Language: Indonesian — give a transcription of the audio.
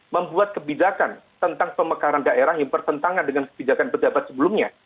membuat kebijakan tentang pemekaran daerah yang bertentangan dengan kebijakan pejabat sebelumnya